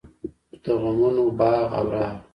د غمونو باغ او راغ.